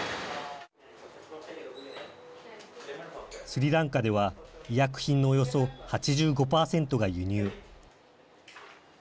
スリランカでは医薬品のおよそ８５％が輸入。